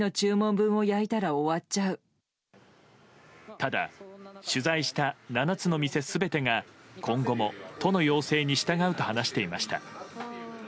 ただ、取材した７つの店全てが今後も都の要請に従うと話していました。